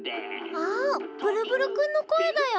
あっブルブルくんのこえだよ？